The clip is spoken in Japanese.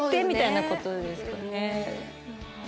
みたいなことですよね。